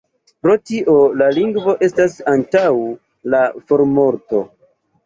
Pro tio la lingvo estas antaŭ la formorto.